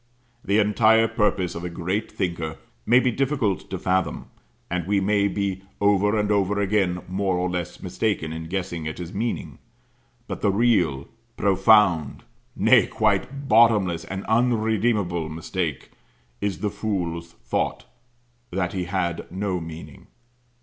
The entire purpose of a great thinker may be difficult to fathom, and we may be over and over again more or less mistaken in guessing at his meaning; but the real, profound, nay, quite bottomless, and unredeemable mistake, is the fool's thought that he had no meaning.